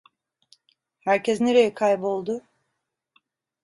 Herkes nereye kayboldu?